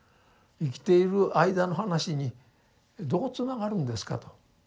生きている間の話にどうつながるんですかと。